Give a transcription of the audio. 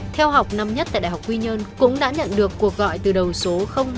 theo học năm nhất tại đại học quy nhơn cũng đã nhận được cuộc gọi từ đầu số hai mươi bốn nghìn bảy trăm bảy mươi bảy